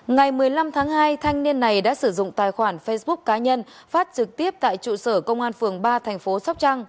ngày một mươi năm tháng hai thanh niên này đã sử dụng tài khoản facebook cá nhân phát trực tiếp tại trụ sở công an phường ba thành phố sóc trăng